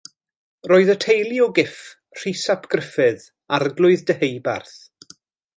Roedd y teulu o gyff Rhys ap Gruffydd, Arglwydd Deheubarth.